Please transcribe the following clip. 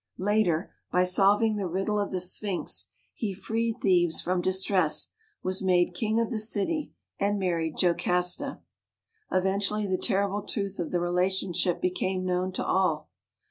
Later, by solving the riddle of the sphinx, he freed Thebes from distress, was made king of the city, and married Jocasta. Eventually the terrible truth of the rela tionship became known to all.